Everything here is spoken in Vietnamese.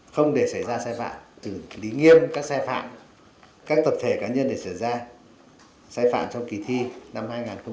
không để xảy ra sai phạm từ lý nghiêm các sai phạm các tập thể cá nhân để xảy ra sai phạm trong kỳ thi năm hai nghìn một mươi tám